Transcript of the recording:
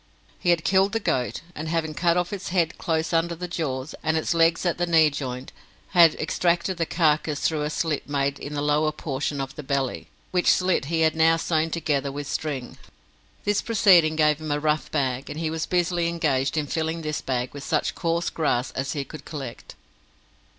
He had killed the goat, and having cut off its head close under the jaws, and its legs at the knee joint, had extracted the carcase through a slit made in the lower portion of the belly, which slit he had now sewn together with string. This proceeding gave him a rough bag, and he was busily engaged in filling this bag with such coarse grass as he could collect.